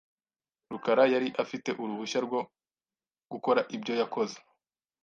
rukara yari afite uruhushya rwo gukora ibyo yakoze .